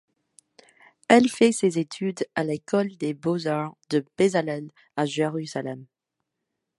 Elle fait ses études à l'École des beaux-arts de Bezalel à Jérusalem.